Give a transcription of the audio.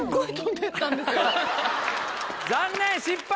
残念失敗！